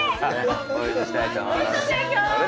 お呼びしたいと思います。